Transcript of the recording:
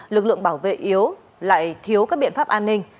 lực lượng bảo vệ yếu lại thiếu các biện pháp an ninh